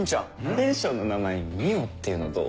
ペンションの名前「海音」っていうのはどう？